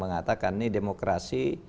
mengatakan nih demokrasi